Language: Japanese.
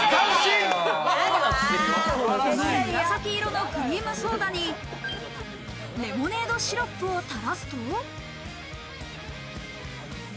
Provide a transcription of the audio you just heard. この紫色のクリームソーダにレモネードシロップを垂らすと。